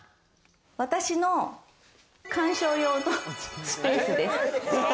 私の観賞用スペースです。